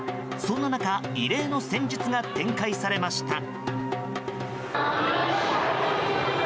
そんな中異例の戦術が展開されました。